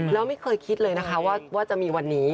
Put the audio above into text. แล้วไม่เคยคิดเลยนะคะว่าจะมีวันนี้